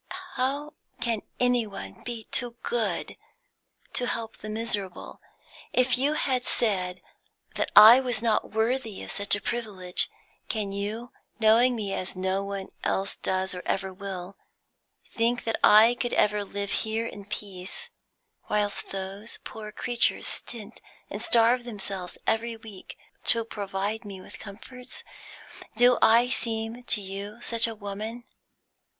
"How can any one be too good to help the miserable? If you had said that I was not worthy of such a privilege Can you, knowing me as no one else does or ever will, think that I could live here in peace, whilst those poor creatures stint and starve themselves every week to provide me with comforts? Do I seem to you such a woman?"